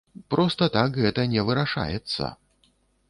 Проста так гэта не вырашаецца.